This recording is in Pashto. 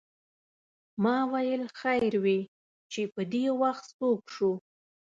ما ویل خیر وې چې پدې وخت څوک شو.